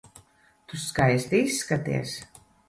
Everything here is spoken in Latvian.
Tu skaisti izskaties.